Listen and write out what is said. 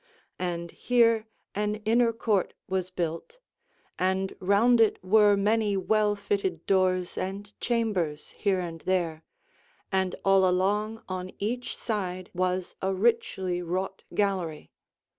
And here an inner court was built, and round it were many well fitted doors and chambers here and there, and all along on each side was a richly wrought gallery.